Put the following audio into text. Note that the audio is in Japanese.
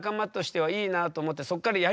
はい。